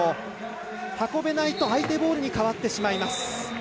運べないと、相手ボールに変わってしまいます。